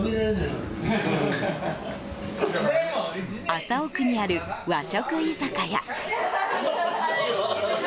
麻生区にある和食居酒屋。